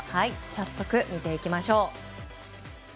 早速見ていきましょう。